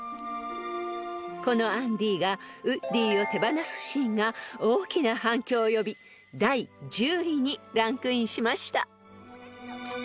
［このアンディがウッディを手放すシーンが大きな反響を呼び第１０位にランクインしました］